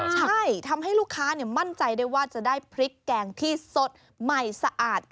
ใช่ทำให้ลูกค้ามั่นใจได้ว่าจะได้พริกแกงที่สดใหม่สะอาด